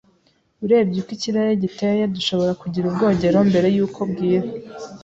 Urebye uko ikirere giteye, dushobora kugira ubwogero mbere yuko bwira.